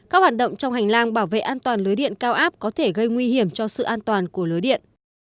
các hoạt động trong hành lang bảo vệ an toàn lưới điện cao áp có thể gây nguy hiểm cho sự an toàn của lưới điện